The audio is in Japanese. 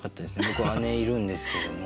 僕姉いるんですけども。